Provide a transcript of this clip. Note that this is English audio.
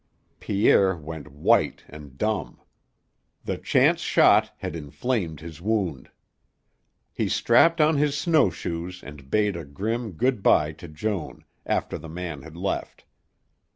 Pierre went white and dumb; the chance shot had inflamed his wound. He strapped on his snowshoes and bade a grim good bye to Joan, after the man had left.